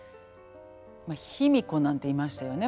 まあ卑弥呼なんていましたよね